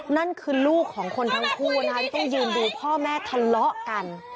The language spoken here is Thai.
นั่นคือลูกของคนทั้งคู่นะคะที่ต้องยืนดูพ่อแม่ทะเลาะกัน